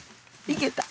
いけた！